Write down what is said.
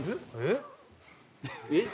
えっ？